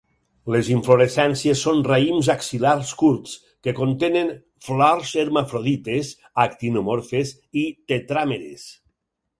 Les inflorescències són raïms axil·lars curts, que contenen flors hermafrodites, actinomorfes i tetràmeres.